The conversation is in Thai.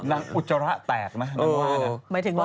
นางอุจจระแตกนะนางว่า